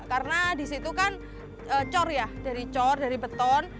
karena di situ kan cor ya dari cor dari beton